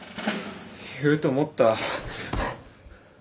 言うと思った。